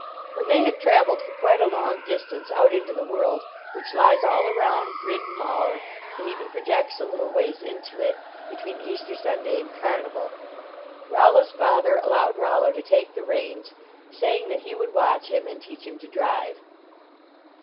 When they had traveled for quite a long distance out into the world, which lies all around Bryn Mawr, and even projects a little ways into it between Easter Sunday and Carnival Rollo s father allowed Rollo to take the reins, saying that he would watch him and teach him to drive.